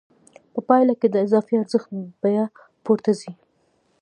په پایله کې د اضافي ارزښت بیه پورته ځي